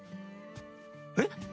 えっ？